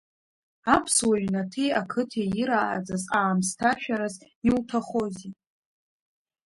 Аԥсуа ҩнаҭеи ақыҭеи ирааӡаз аамсҭашәараз иуҭахози.